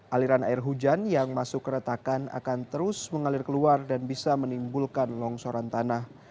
aliran air hujan yang masuk keretakan akan terus mengalir keluar dan bisa menimbulkan longsoran tanah